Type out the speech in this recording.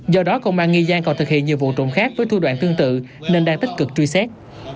do đó công an nghi giang còn thực hiện nhiều vụ trộm khác với thu đoạn tương tự nên đang tích cực truy xét